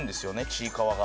『ちいかわ』が。